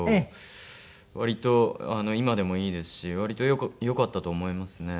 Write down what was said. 割と今でもいいですし割と良かったと思いますね。